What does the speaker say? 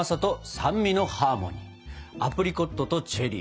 アプリコットとチェリー。